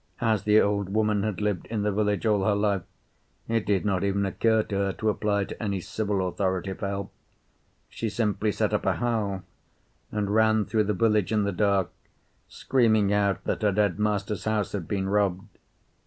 As the old woman had lived in the village all her life, it did not even occur to her to apply to any civil authority for help. She simply set up a howl and ran through the village in the dark, screaming out that her dead master's house had been robbed.